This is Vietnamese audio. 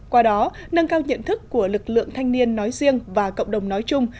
qua đó nâng cao nhận thức của lực lượng thanh niên nói riêng và cộng đồng nói chung